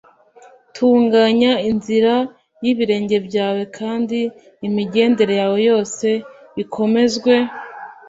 tunganya inzira y’ibirenge byawe, kandi imigendere yawe yose ikomezwe